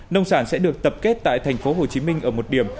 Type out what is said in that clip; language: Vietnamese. nông sản sẽ được tập kết tại tp hcm ở một điểm